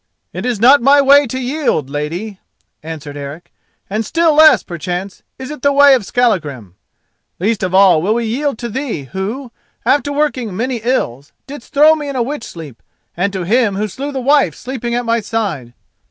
"It is not my way to yield, lady," answered Eric, "and still less perchance is it the way of Skallagrim. Least of all will we yield to thee who, after working many ills, didst throw me in a witch sleep, and to him who slew the wife sleeping at my side.